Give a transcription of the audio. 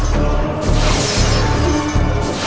kau mencari dua blati